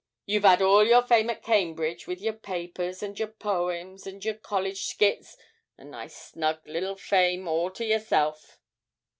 You've 'ad all your fame at Cambridge, with your papers, and your poems, and your College skits a nice snug little fame all to yourself.'